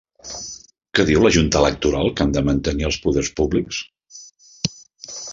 Què diu la Junta Electoral que han de mantenir els poders públics?